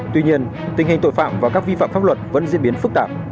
tuy nhiên tình hình tội phạm và các vi phạm pháp luật vẫn diễn biến phức tạp